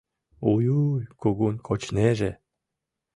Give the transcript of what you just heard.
Уй-уй, кугун кочнеже!..